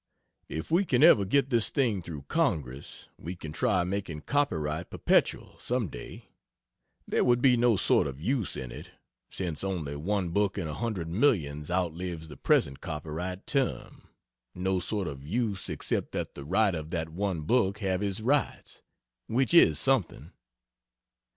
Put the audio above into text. If we can ever get this thing through Congress, we can try making copyright perpetual, some day. There would be no sort of use in it, since only one book in a hundred millions outlives the present copyright term no sort of use except that the writer of that one book have his rights which is something.